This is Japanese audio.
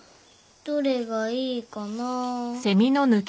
どれがいいかなあ。